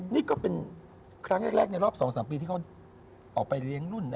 นี่ก็เป็นครั้งแรกในรอบ๒๓ปีที่เขาออกไปเลี้ยงรุ่นนะ